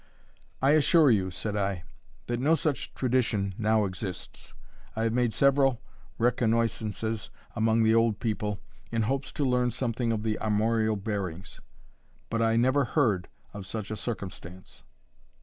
"I assure you," said I, "that no such tradition now exists. I have made several reconnoissances among the old people, in hopes to learn something of the armorial bearings, but I never heard of such a circumstance.